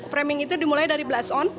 framing itu dimulai dari blast on